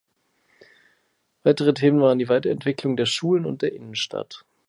Weitere Themen waren die Weiterentwicklung der Schulen und der Innenstadt.